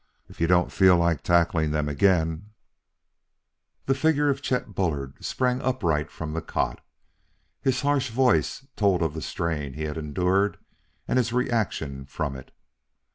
If you don't feel like tackling them again " The figure of Chet Bullard sprang upright from the cot. His harsh voice told of the strain he had endured and his reaction from it.